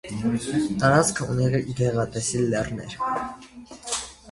Տարածքը ունի գեղատեսիլ լեռներ։